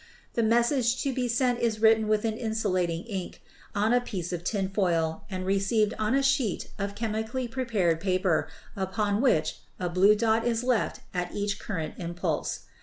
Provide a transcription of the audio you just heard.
The message to be sent is written with an insulating ink on a piece of tinfoil and received on a sheet of chemically prepared paper upon which a blue dot is left at each current impulse.